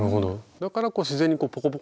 だからこう自然にポコポコ